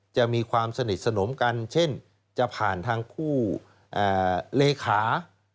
จะมีความสนิทสนมกันเช่นจะผ่านทางผู้เลขา